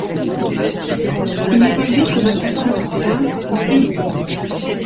Il évoluait comme attaquant de pointe ou ailier.